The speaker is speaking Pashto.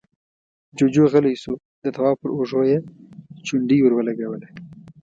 جُوجُو غلی شو، د تواب پر اوږه يې چونډۍ ور ولګوله: